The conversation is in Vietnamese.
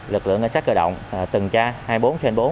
lực lượng ánh sát cơ động từng tra hai mươi bốn trên bốn